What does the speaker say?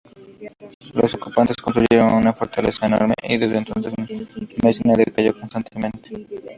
Los ocupantes construyeron una fortaleza enorme, y desde entonces Messina decayó constantemente.